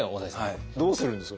どうするんです？